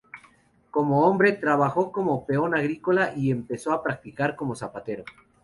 Como hombre, trabajó como peón agrícola y empezó a practicar como zapatero.